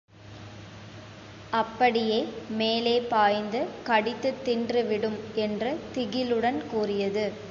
அப்படியே மேலே பாய்ந்து கடித்துத் தின்றுவிடும் என்று திகிலுடன் கூறியது.